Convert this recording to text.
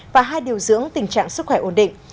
và hai điều dưỡng tình trạng sức khỏe ổn định